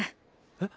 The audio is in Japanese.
えっ？